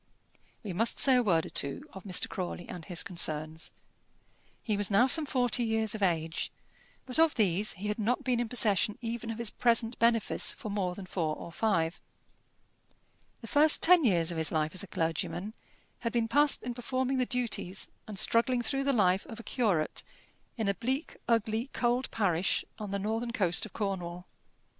We must say a word or two of Mr. Crawley and his concerns. He was now some forty years of age, but of these he had not been in possession even of his present benefice for more than four or five. The first ten years of his life as a clergyman had been passed in performing the duties and struggling through the life of a curate in a bleak, ugly, cold parish on the northern coast of Cornwall.